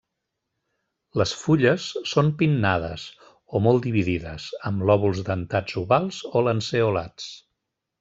Les fulles són pinnades o molt dividides, amb lòbuls dentats ovals o lanceolats.